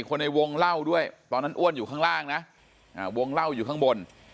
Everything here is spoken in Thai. ในวงเล่าด้วยตอนนั้นอ้วนอยู่ข้างล่างนะวงเล่าอยู่ข้างบน